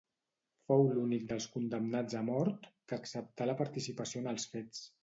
Fou l'únic dels condemnats a mort que acceptà la participació en els fets.